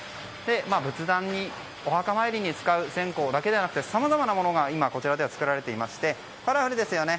仏壇にお墓参りに使う線香だけでなくさまざまなものがこちらでは作られていましてカラフルですよね。